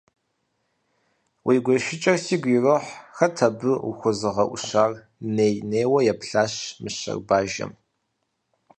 Уи гуэшыкӏэр сигу ирохь, хэт абы ухуэзыгъэӏущар? - ней-нейуэ еплъащ мыщэр бажэм.